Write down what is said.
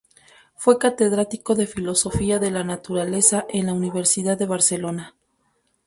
Fue catedrático de Filosofía de la Naturaleza en la Universidad de Barcelona.